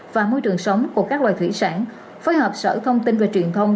và môi trường sống của các loài thủy sản phối hợp sở thông tin và truyền thông